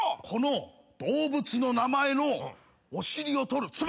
この動物の名前のお尻を取る。